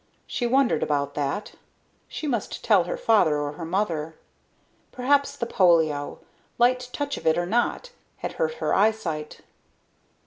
She wondered about that. She must tell her father or her mother. Perhaps the polio, light touch of it or not, had hurt her eyesight.